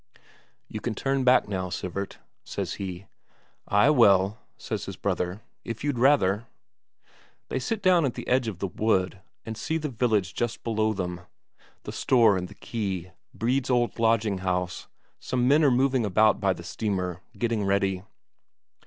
"You turn back now, Sivert," says he. "Ay, well," says his brother. "If you'd rather." They sit down at the edge of the wood, and see the village just below them, the store and the quay, Brede's old lodging house; some men are moving about by the steamer, getting ready.